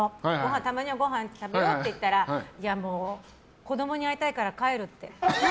たまにはごはん食べようって言ったら子供に会いたいから帰るって。